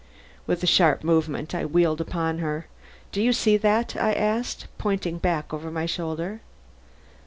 With a sharp movement I wheeled upon her. "Do you see that?" I asked, pointing back over my shoulder.